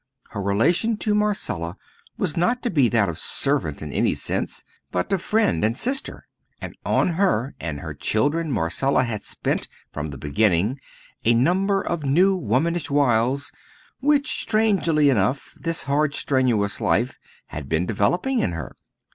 Her relation to Marcella was not to be that of servant in any sense, but of friend and sister; and on her and her children Marcella had spent from the beginning a number of new womanish wiles which, strangely enough, this hard, strenuous life had been developing in her.